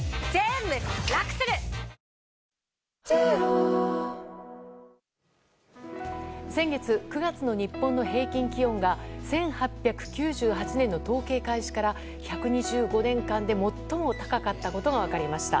わかるぞ先月９月の日本の平均気温が１８９８年の統計開始から１２５年間で最も高かったことが分かりました。